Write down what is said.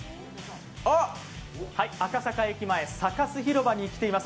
赤坂駅前、サカス広場に来ています。